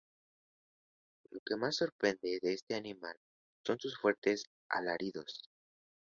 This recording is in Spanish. Lo que más sorprende de este animal son sus fuertes alaridos.